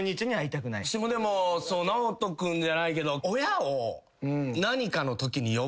ＮＡＯＴＯ君じゃないけど。